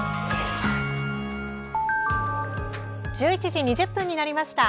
１１時２０分になりました。